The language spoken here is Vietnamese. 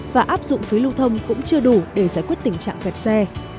và áp dụng phí lưu thông cũng chưa đủ để giải quyết tình trạng vẹt xe